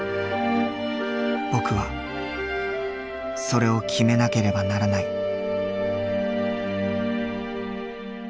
僕はそれを決めなければならない。